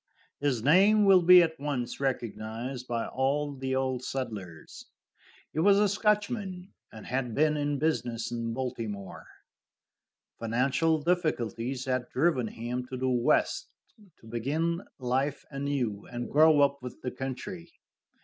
His name will be at once recognized by all the old settlers. He was a Scotchman, and had been in business in Baltimore. Financial difficulties had driven him to the West, to begin life anew and grow up with the country.